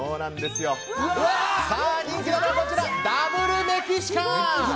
人気なのはダブルメキシカン。